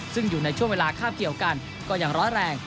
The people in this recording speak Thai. ซึ่งอยู่ในช่วงเวลาคาบเกี่ยวกันก็ยังร้อนแรง